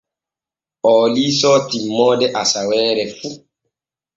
Oo liisoo timmoode asaweere fu.